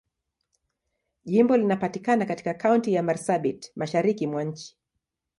Jimbo linapatikana katika Kaunti ya Marsabit, Mashariki mwa nchi.